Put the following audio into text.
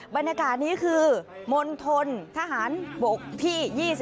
บรรยากาศนี้คือมณฑลทหารบกที่๒๔